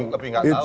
tapi gak tahu